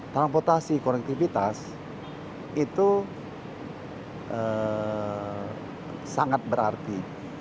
transportasi konektivitas itu sangat berarti